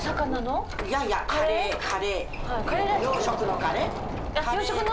いやいやカレーカレー。